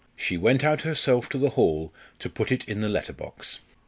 She went out herself to the hall to put it in the letter box.